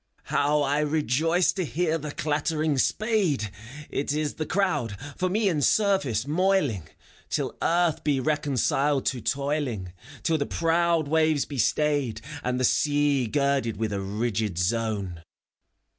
How I rejoice, to hear the clattering spade ! It is the crowd, for me in service moiling, Till Earth be reconciled to toiling, Till the proud waves be stayed. And the sea girded with a rigid zone.